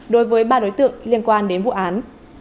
đối với ba đối tượng liên quan đến vụ án